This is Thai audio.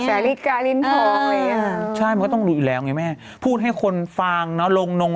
แต่รูปนี่แสดงว่าเล่นน่ะโอ๊ยรูปนี่แสดงว่าเล่นน่ะ